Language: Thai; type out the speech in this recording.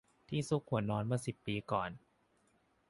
ที่ซุกหัวนอนเมื่อสิบปีก่อน